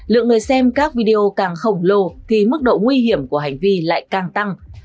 lượng người xem các video càng khổng lồ thì mức độ nguy hiểm của hành vi lại càng tăng